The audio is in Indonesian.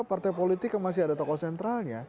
partai politik yang masih ada tokoh sentralnya